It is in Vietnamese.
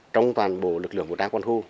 trong toàn bộ lực lượng vũ trang quân khu